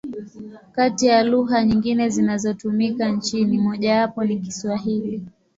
Kati ya lugha nyingine zinazotumika nchini, mojawapo ni Kiswahili.